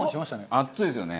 熱いですよね。